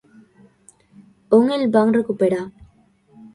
On el van recuperar?